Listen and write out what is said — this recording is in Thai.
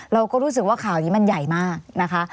เราก็รู้สึกว่าข่าวนี้มันใหญ่มากนะคะ